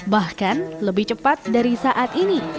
bahkan lebih cepat dari saat ini